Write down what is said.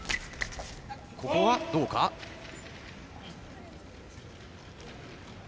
ここはどうか。